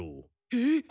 えっ？